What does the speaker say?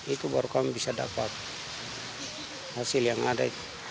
itu baru kami bisa dapat hasil yang ada